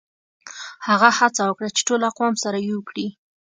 هغه هڅه وکړه چي ټول اقوام سره يو کړي.